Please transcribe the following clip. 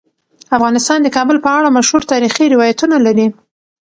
افغانستان د کابل په اړه مشهور تاریخی روایتونه لري.